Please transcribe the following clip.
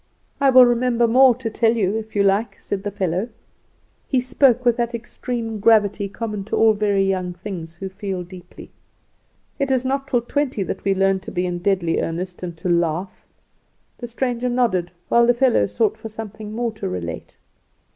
"I will remember more to tell you if you like," said the boy. He spoke with that extreme gravity common to all very young things who feel deeply. It is not till twenty that we learn to be in deadly earnest and to laugh. The stranger nodded, while the fellow sought for something more to relate.